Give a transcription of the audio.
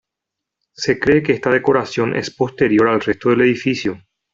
Se cree que esta decoración es posterior al resto del edificio.